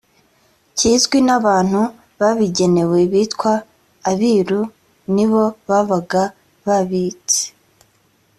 kizwi n abantu babigenewe bitwa abiru ni bo babaga babitse